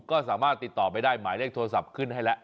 ก็สามารถติดต่อไปได้หมายเลขโทรศัพท์ขึ้นให้แล้ว